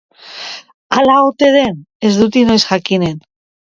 Hala ote den, ez du inoiz jakinen.